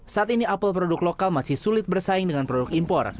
saat ini apel produk lokal masih sulit bersaing dengan produk impor